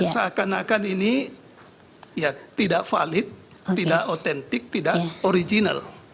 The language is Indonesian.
seakan akan ini tidak valid tidak otentik tidak original